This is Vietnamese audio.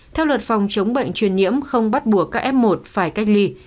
theo luật phòng chống bệnh truyền nhiễm không bắt buộc các f một phải cách ly